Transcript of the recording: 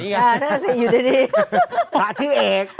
นั่นแสดงสิอยู่ด้วยดิ